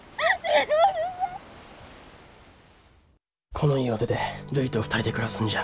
この家を出てるいと２人で暮らすんじゃ。